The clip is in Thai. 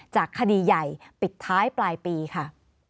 คดีใหญ่ปิดท้ายปลายปีค่ะ